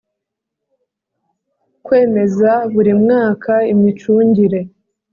Kwemeza buri mmwaka imicungire